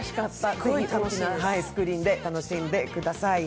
ぜひ、大きなスクリーンで楽しんでください。